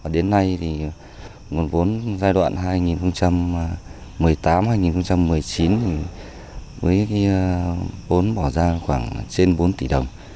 đến nay thì nguồn vốn giai đoạn hai nghìn một mươi tám hai nghìn một mươi chín với vốn bỏ ra khoảng trên bốn tỷ đồng